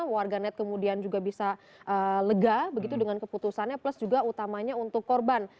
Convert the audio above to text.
warganet kemudian juga bisa lega begitu dengan keputusannya plus juga utamanya untuk korban